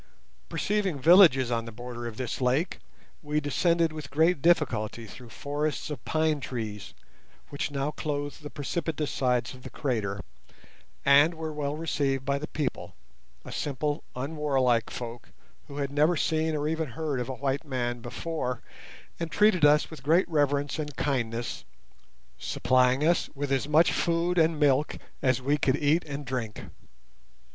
Perceiving villages on the border of this lake, we descended with great difficulty through forests of pine trees, which now clothed the precipitous sides of the crater, and were well received by the people, a simple, unwarlike folk, who had never seen or even heard of a white man before, and treated us with great reverence and kindness, supplying us with as much food and milk as we could eat and drink.